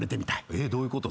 えっどういうこと？